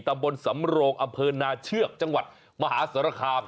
ตำบลสำโรงอำเภอนาเชือกจังหวัดมหาสารคาม